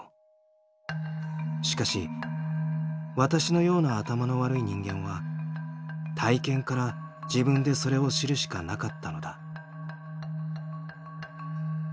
しかし私のような頭の悪い人間は体験から自分でそれを知るしかなかったのだ。